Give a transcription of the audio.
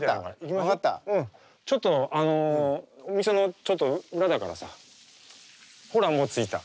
ちょっとあのお店のちょっと裏だからさほらもう着いた。